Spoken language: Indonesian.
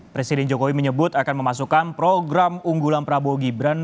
presiden jokowi menyebut akan memasukkan program unggulan prabowo gibran